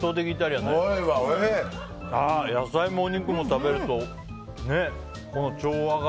野菜もお肉も食べると調和が。